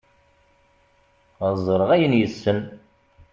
ad ẓreɣ ayen yessen